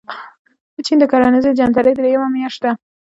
د چين د کرنیزې جنترې درېیمه میاشت ده.